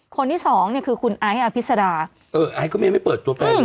คนที่สองเนี้ยคือคุณไอ้อภิษฎาเออไอ้ก็ไม่เปิดตัวแฟนเลยอืม